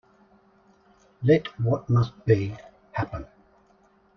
Let what must be, happen.